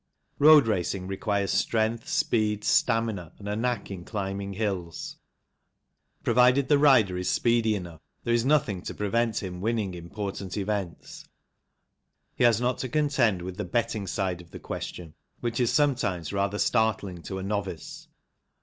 Road racing requires strength, speed, stamina, and a knack in climbing hills. Provided the rider is speedy enough there is nothing to prevent him winning im portant events ; he has not to contend with the betting side of the question, which is sometimes rather startling to a novice.